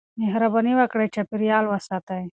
مهرباني وکړئ چاپېريال وساتئ.